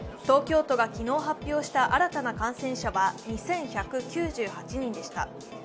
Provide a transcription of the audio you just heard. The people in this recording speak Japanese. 東京都が昨日発表した新たな感染者は２１９８人でした。